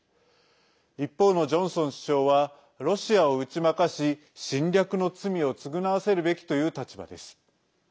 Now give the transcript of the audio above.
一方のジョンソン首相はロシアを打ち負かし侵略の罪を償わせるべきという立場です。